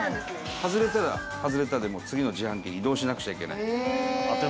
外れたら外れたで次の自販機に移動しなくちゃいけない。